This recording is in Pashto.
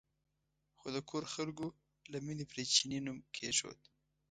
خو د کور خلکو له مینې پرې چیني نوم کېښود.